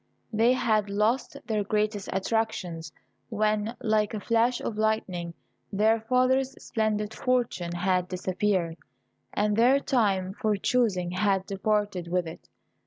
They had lost their greatest attractions when, like a flash of lightning, their father's splendid fortune had disappeared, and their time for choosing had departed with it.